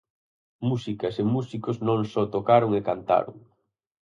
Músicas e músicos non só tocaron e cantaron.